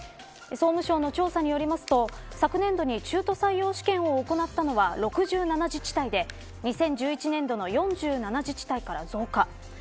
総務省の調査によりますと昨年度に中途採用試験を行ったのは６７自治体で２０１１年度の４７自治体から増加。